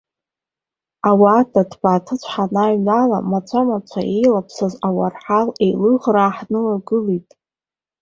Ауада ҭбааҭыцә ҳаныныҩнала, мацәа-мацәа еилаԥсаз ауарҳал еилыӷраа ҳнылагылт.